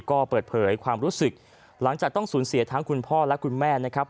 ก็เปิดเผยความรู้สึกหลังจากต้องสูญเสียทั้งคุณพ่อและคุณแม่นะครับ